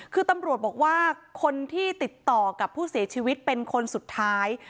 คือตำรวจบอกว่าคนที่ติดต่อกับผู้เสียชีวิตเป็นคนสุดท้าย